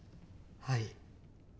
はい。